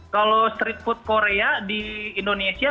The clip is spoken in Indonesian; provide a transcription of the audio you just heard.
kalau street food korea di indonesia